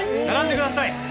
並んでください！